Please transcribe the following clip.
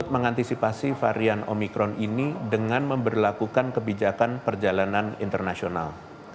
mengantisipasi varian omikron ini dengan memberlakukan kebijakan perjalanan internasional